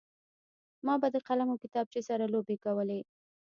ما به د قلم او کتابچې سره لوبې کولې